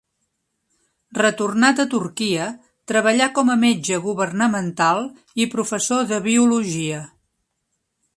Retornat a Turquia, treballà com metge governamental i professor de biologia.